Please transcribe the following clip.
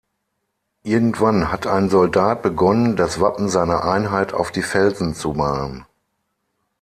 Irgendwann hat ein Soldat begonnen das Wappen seiner Einheit auf die Felsen zu malen.